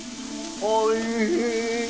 ・おいしいね